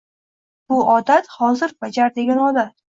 Bu odat – hozir bajar degan odat.